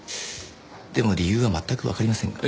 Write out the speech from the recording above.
でも理由は全くわかりませんが。